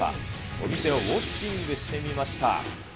お店をウォッチングしてみました。